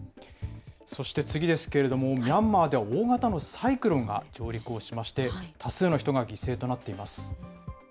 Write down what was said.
そして次ですけれども、ミャンマーでは大型のサイクロンが上陸をしまして、多数の人が犠牲となっています。